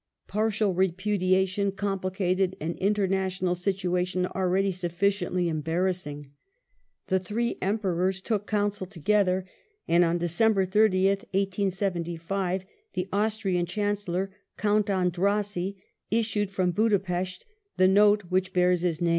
Pai tial repudiation complicated an international situation already sufficiently embarrassing. The thi ee Emperors took counsel together, and on December 30th, 1875, the Austrian Chancellor, Count Andrassy, issued from Budapesth the Note which bears his name.